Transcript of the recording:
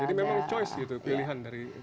jadi memang pilihan dari